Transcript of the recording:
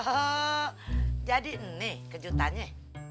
oh jadi ini kejutannya